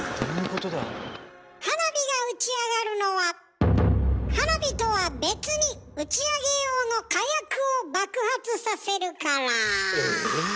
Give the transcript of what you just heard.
花火が打ち上がるのは花火とは別に打ち上げ用の火薬を爆発させるから。